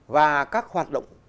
và các hoạt động